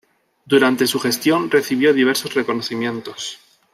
Durante su gestión recibió diversos reconocimientos.